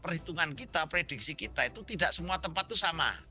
perhitungan kita prediksi kita itu tidak semua tempat itu sama